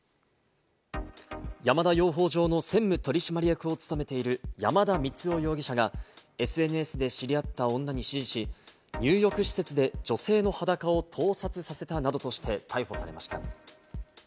山田養蜂場の専務取締役を務めている山田満生容疑者が、ＳＮＳで知り合った女に指示し、入浴施設で女性の裸を盗撮させたなどとして逮捕されました。